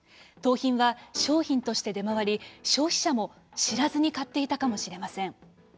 盗品は商品として出回り消費者も知らずに買っていたかもしれません。